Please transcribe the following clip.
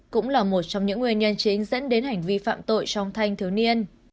cũng là một trong những nguyên nhân chính dẫn đến hành vi phạm tội trong thanh thiếu niên